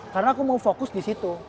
karena aku mau fokus di situ